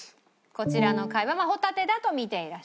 こちらの貝はホタテだと見ていらっしゃる。